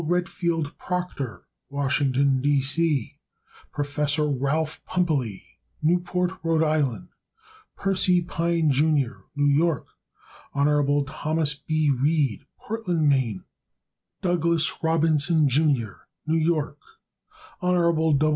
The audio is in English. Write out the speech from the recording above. Redfield Proctor, Washington, D. C. Prof. Ralph Pumpelly, Newport, R. I. Percy Pyne, Jr., New York. Hon. Thos. B. Reed, Portland, Me. Douglas Robinson, Jr., New York. Hon.